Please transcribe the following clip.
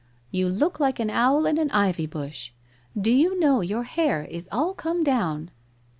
' You look like an owl in an ivy bush. Do you know your hair is all come down